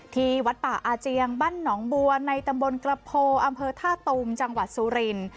ที่วัดป่าอาเจียงบ้านหนองบัวในตำบลกระโพอำเภอท่าตูมจังหวัดสุริน